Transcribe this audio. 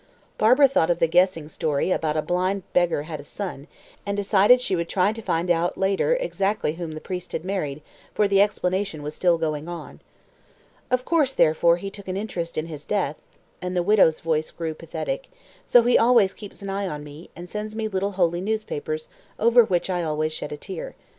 Barbara thought of the guessing story about "A blind beggar had a son," and decided she would try to find out later exactly whom the priest had married, for the explanation was still going on. "Of course, therefore, he took an interest in his death," and the widow's voice grew pathetic. "So he always keeps an eye on me, and sends me little holy newspapers, over which I always shed a tear.